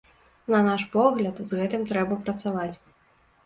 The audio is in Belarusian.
На наш погляд, з гэтым трэба працаваць.